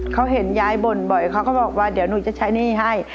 เขาเห็นยายบ่นบ่อยเขาก็บอกว่าเดี๋ยวหนูจะใช้หนี้ให้